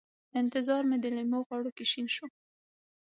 انتظار مې د لېمو غاړو کې شین شو